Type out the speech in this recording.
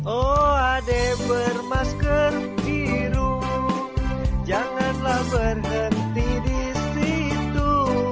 oh ade bermasker biru janganlah berhenti di situ